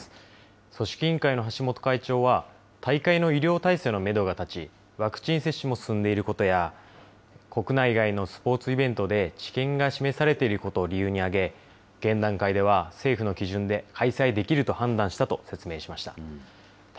組織委員会の橋本会長は、大会の医療体制のメドが立ち、ワクチン接種も進んでいることや、国内外のスポーツイベントで知見が示されていることを理由に挙げ、現段階では、政府の基準で開催できると判断したと説明しました。